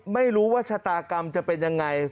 ไม่รู้ว่าชะตากรรมจะเป็นยังไง